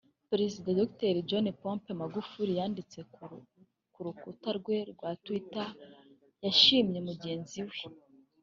Perezida Dr John Pombe Magufuli yanditse ku rukuta rwe rwa Twitter yashimye mugenzi we